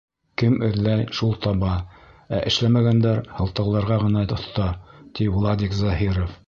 Кем эҙләй, шул таба, ә эшләмәгәндәр һылтауларға ғына оҫта, ти Владик Заһиров